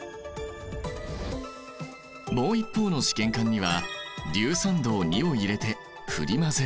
もう一方の試験管には硫酸銅を入れて振り混ぜる。